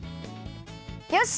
よし！